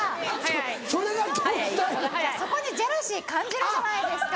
そこにジェラシー感じるじゃないですか！